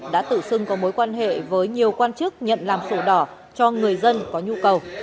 đã tự xưng có mối quan hệ với nhiều quan chức nhận làm sổ đỏ cho người dân có nhu cầu